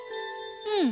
うん。